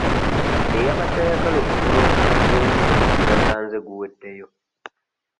Eyabadde ayagala okugula omubisi gw'enjuki yasanze guweddeyo.